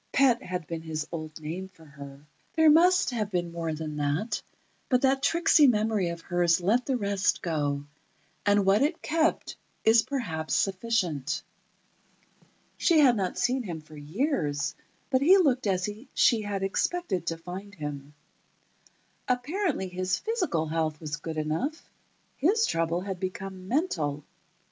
Pet had been his old name for her. There must have been more than that, but that tricksy memory of hers let the rest go, and what it kept is perhaps sufficient. She had not seen him for years, but he looked as she had expected to find him. Apparently, his physical health was good enough; his trouble had become mental.